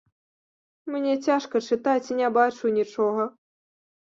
Мне цяжка чытаць, не бачу нічога.